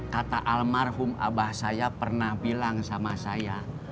kata almarhum abah saya pernah bilang sama saya